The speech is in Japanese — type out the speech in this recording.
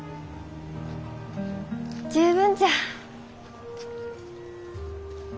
十分じゃ。